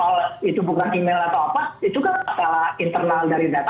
kalau itu bukan email atau apa itu kan masalah internal dari data